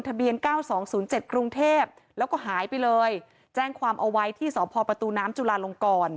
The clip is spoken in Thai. ทะเบียน๙๒๐๗กรุงเทพแล้วก็หายไปเลยแจ้งความเอาไว้ที่สพประตูน้ำจุลาลงกร